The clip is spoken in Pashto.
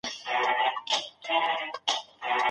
زده کوونکي له اوږدې مودې راهیسې هڅه کوي.